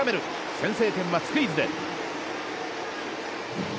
先制点はスクイズで。